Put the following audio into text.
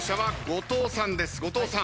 後藤さん。